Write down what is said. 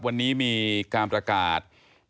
วันนี้มีการประกาศ